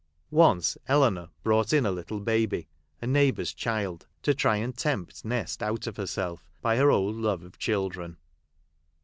Once, Eleanor arought in a little baby, a neighbour's child, ;o try and tempt Nest out of herself, by her old love of children.